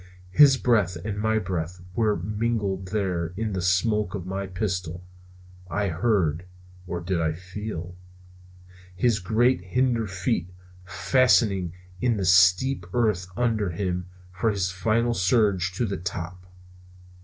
His breath and my breath were mingled there in the smoke of my pistol. I heard or did I feel his great hinder feet fastening in the steep earth under him for his final struggle to the top?